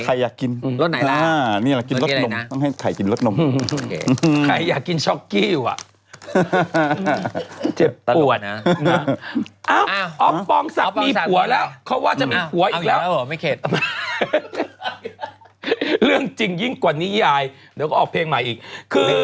จัดอีกไหมละละครพอก่อนมาไปด้านร้านยินดีไปจัดละคร